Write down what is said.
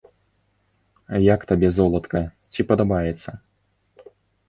Як табе, золатка, ці падабаецца?